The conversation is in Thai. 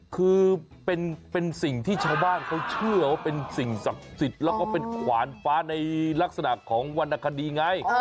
คือเป็นสิ่งที่ชาวบ้านเขาเชื่อว่าเป็นสิ่งศักดิ์สิทธิ์แล้วก็เป็นขวานฟ้าในลักษณะของวรรณคดีไง